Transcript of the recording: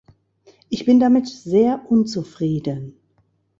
Ich bin damit sehr unzufrieden.